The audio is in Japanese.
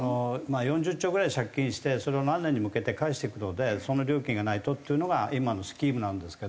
４０兆ぐらい借金してそれを何年に向けて返していくのでその料金がないとっていうのが今のスキームなんですけど。